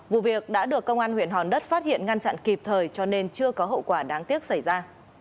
vụ việc đã được công an huyện hòn đất phát hiện ngăn chặn kịp thời cho nên chưa có hậu quả đáng tiếc xảy ra